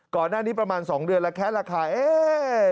ก่อนหน้านี้ประมาณ๒เดือนแล้วแค่ราคาเอ๊ะ